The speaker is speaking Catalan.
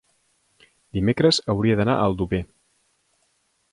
dimecres hauria d'anar a Aldover.